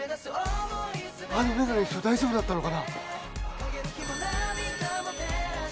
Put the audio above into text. あのメガネの人大丈夫だったのかな？